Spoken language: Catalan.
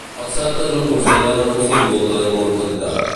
Els celtes ho consideraven un símbol de la immortalitat.